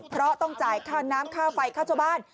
เพราะต้องจ่ายค่าน้ำค่าไฟค่าเช่าบ้าน